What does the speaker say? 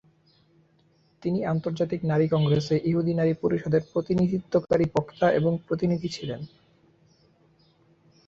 তিনি আন্তর্জাতিক নারী কংগ্রেসে ইহুদি নারী পরিষদের প্রতিনিধিত্বকারী বক্তা এবং প্রতিনিধি ছিলেন।